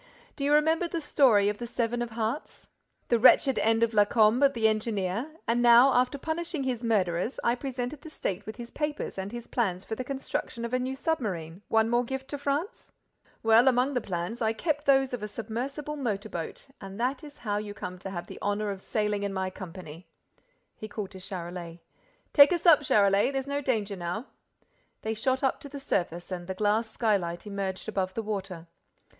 Do you remember the story of the Seven of Hearts, the wretched end of Lacombe, the engineer, and how, after punishing his murderers, I presented the State with his papers and his plans for the construction of a new submarine: one more gift to France? Well, among the plans, I kept those of a submersible motor boat and that is how you come to have the honor of sailing in my company." The Exploits of Arsène Lupin. By Maurice Leblanc. VI: The Seven of Hearts. He called to Charolais: "Take us up, Charolais—there's no danger now—" They shot up to the surface and the glass skylight emerged above the water.